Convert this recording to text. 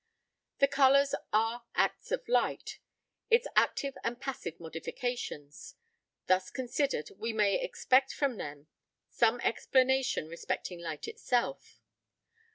The colours are acts of light; its active and passive modifications: thus considered we may expect from them some explanation respecting light itself.